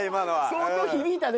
相当響いたね